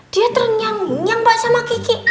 dia ternyang nyang mbak sama kiki